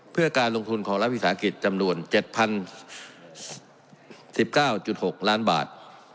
เพื่อการลงทุนของรัฐวิสาหกิจจำนวน๗๐๑๙๖ล้านบาท